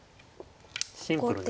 シンプルに。